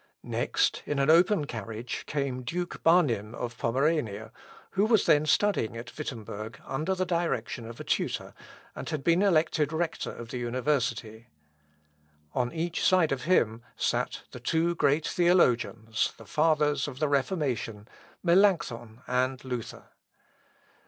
Next, in an open carriage, came Duke Barnim of Pomerania, who was then studying at Wittemberg under the direction of a tutor, and had been elected rector of the University. On each side of him sat the two great theologians, the fathers of the Reformation, Melancthon and Luther.